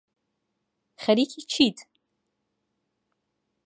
خەریکی چیت